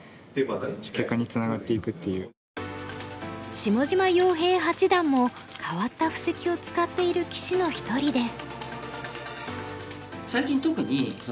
下島陽平八段も変わった布石を使っている棋士の一人です。